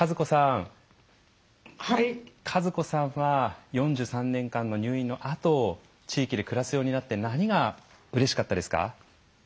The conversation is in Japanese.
和子さんは４３年間の入院のあと地域で暮らすようになって何がうれしかったですか？